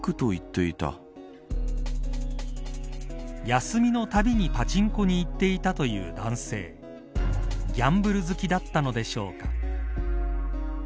休みのたびにパチンコに行っていたという男性ギャンブル好きだったのでしょうか。